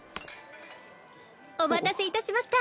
お待たせ致しました。